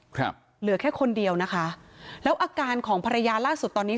ครับเหลือแค่คนเดียวนะคะแล้วอาการของภรรยาล่าสุดตอนนี้